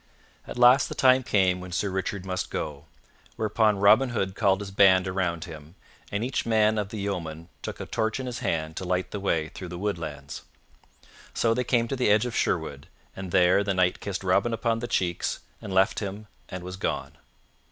At last the time came when Sir Richard must go, whereupon Robin Hood called his band around him, and each man of the yeomen took a torch in his hand to light the way through the woodlands. So they came to the edge of Sherwood, and there the Knight kissed Robin upon the cheeks and left him and was gone.